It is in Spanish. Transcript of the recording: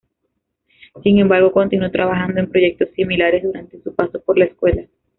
Sin embargo, continuó trabajando en proyectos similares durante su paso por la escuela.